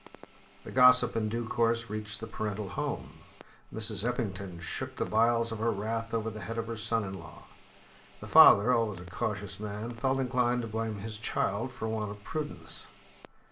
The gossip, in due course, reached the parental home. Mrs. Eppington shook the vials of her wrath over the head of her son in law. The father, always a cautious man, felt inclined to blame his child for her want of prudence.